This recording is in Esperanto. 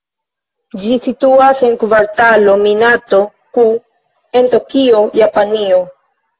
Ĝi situas en Kvartalo Minato-ku en Tokio, Japanio.